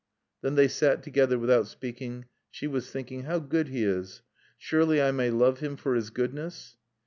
Then they sat together without speaking. She was thinking: "How good he is. Surely I may love him for his goodness?"